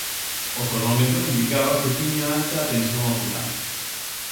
O tonómetro indicaba que tiña alta a tensión ocular.